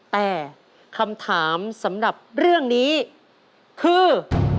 แต่คำถามสำหรับเรื่องนี้คือ